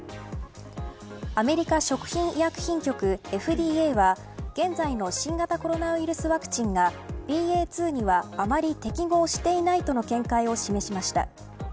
アメリカ食品医薬品局、ＦＤＡは現在の新型コロナウイルスワクチンがＢＡ．２にはあまり適合していないとの見解を示しました。